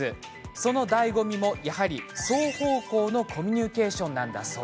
そのだいご味も、やはり双方向のコミュニケーションなんだそう。